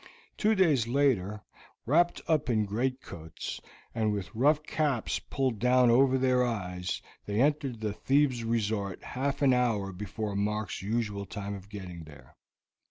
Two days later, wrapped up in great coats, and with rough caps pulled down over their eyes, they entered the thieves' resort half an hour before Mark's usual time of getting there.